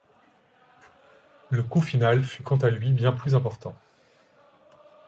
Le coût final fut quant à lui bien plus important.